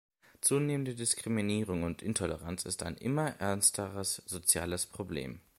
Zunehmende Diskriminierung und Intoleranz ist ein immer ernsteres soziales Problem.